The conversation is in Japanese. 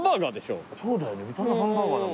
そうだよね見た目ハンバーガーなのよ。